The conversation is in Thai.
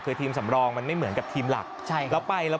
คือทีมสำรองมันไม่เหมือนกับทีมหลักใช่แล้วไปแล้ว